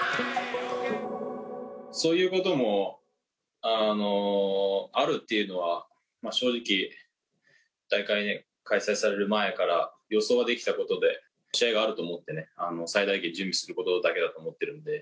そういうこともあるっていうのは、正直、大会開催される前から予想はできたことで、試合があると思ってね、最大限準備することだけだと思ってるんで。